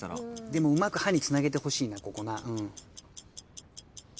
でもうまく「は」につなげてほしいな。